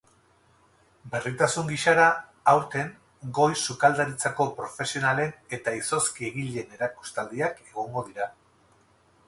Berritasun gisara aurten goi-sukaldaritzako profesionalen eta izozki-egileen erakustaldiak egongo dira.